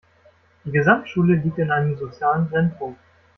Die Gesamtschule liegt in einem sozialen Brennpunkt.